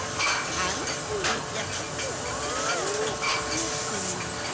もってみるか？